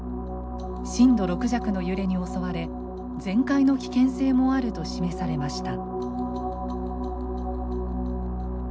震度６弱の揺れに襲われ全壊の危険性もあると示されました。